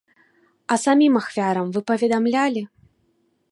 А самім ахвярам вы паведамлялі?